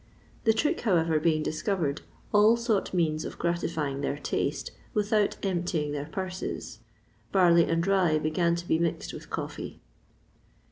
The trick, however, being discovered, all sought means of gratifying their taste without emptying their purses; barley and rye began to be mixed with coffee.